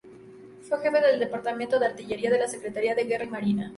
Fue Jefe del Departamento de Artillería de la Secretaría de Guerra y Marina.